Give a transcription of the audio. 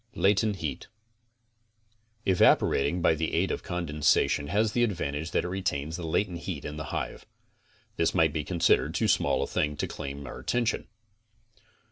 LATENT HEAT Evaporating by the aid of condensation has the advantage that it retains the latent heat in the hive. This might be con sidered too small a thing to claim our attention.